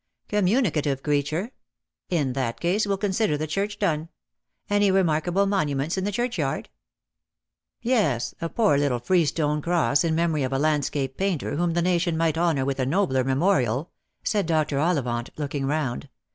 " Communicative creature ! In that case we'll consider the church done. Any remarkable monuments in the church yard?" " Yes, a poor little freestone cross in memory of a landscape, painter whom the nation might honour with a nobler memorial," said Dr. Ollivant, looking round.